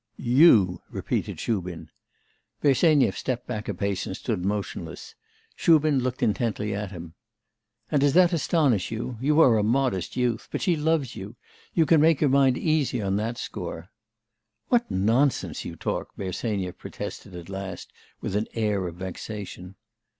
'You,' repeated Shubin. Bersenyev stepped back a pace, and stood motionless. Shubin looked intently at him. 'And does that astonish you? You are a modest youth. But she loves you. You can make your mind easy on that score.' 'What nonsense you talk!' Bersenyev protested at last with an air of vexation.